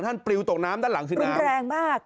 ข้านปลิวตกน้ำด้านหลังขึ้นน้ำชิ้นแรงมาก